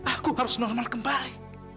aku harus normal kembali